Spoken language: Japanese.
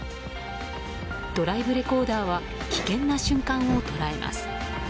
ドライブレコーダーは危険な瞬間を捉えます。